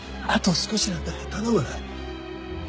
あと少しなんだ頼む。